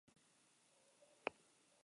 Baina tragedia ez da han amaitzen.